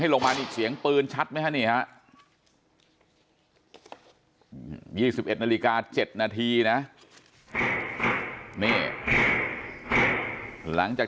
ลงมานี่เสียงปืนชัดไหมฮะนี่ฮะ๒๑นาฬิกา๗นาทีนะนี่หลังจาก